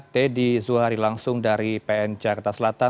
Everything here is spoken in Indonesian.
teddy zuhari langsung dari pn jakarta selatan